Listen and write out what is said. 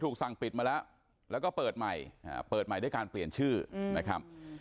ตอนนี้กำลังจะโดดเนี่ยตอนนี้กำลังจะโดดเนี่ย